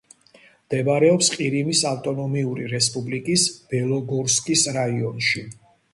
მდებარეობს ყირიმის ავტონომიური რესპუბლიკის ბელოგორსკის რაიონში.